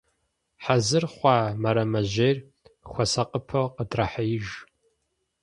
Хьэзыр хъуа мэрэмэжьейр хуэсакъыпэу къыдрахьеиж.